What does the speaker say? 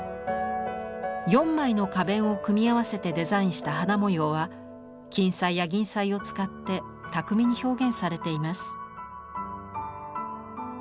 ４枚の花弁を組み合わせてデザインした花模様は金彩や銀彩を使って巧みに表現されています。